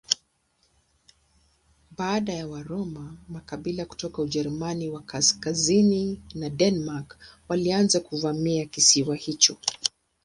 Baada ya Waroma makabila kutoka Ujerumani ya kaskazini na Denmark walianza kuvamia kisiwa hicho.